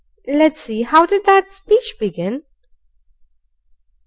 Let's see how did that speech begin?